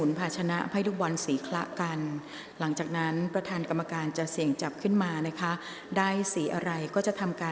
ออกรางวัลที่๓ครั้งที่๖เลขที่ออก